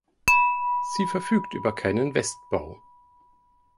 Sie verfügt über keinen Westbau.